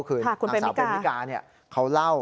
คือทางสาวพวกมิกาเนี่ยเขาเล่า